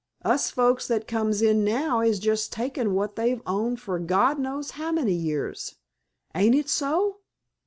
Us folks that comes in now is just takin' what they've owned for God knows how many years. Ain't it so?"